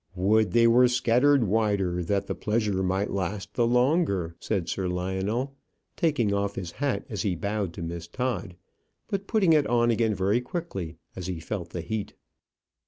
"Would they were scattered wider, that the pleasure might last the longer," said Sir Lionel, taking off his hat as he bowed to Miss Todd, but putting it on again very quickly, as he felt the heat.